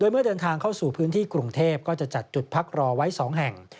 เมื่อเดินทางเข้าสู่พื้นที่กรุงเทพก็จะจัดจุดพักรอไว้๒แห่ง